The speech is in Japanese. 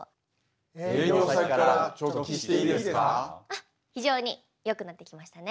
あっ非常に良くなってきましたね。